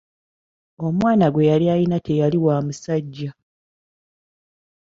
Omwana gwe yali alina teyali wa musajja.